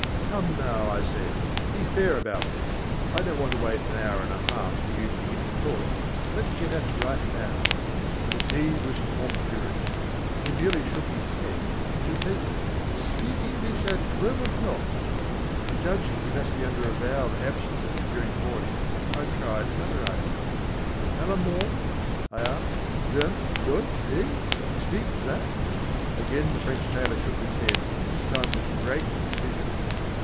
"Come now," I said, "be fair about this. I don't want to wait an hour and a half for you to begin to talk. Let's get at it right now." But he was obdurate. He merely shook his head and repeated: "Speak English at twelve o'clock." Judging that he must be under a vow of abstinence during the morning, I tried another idea. "Allemand?" I asked, "German, Deutsch, eh! speak that?" Again the French tailor shook his head, this time with great decision.